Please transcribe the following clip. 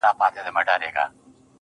ما په لفظو کي بند پر بند ونغاړه.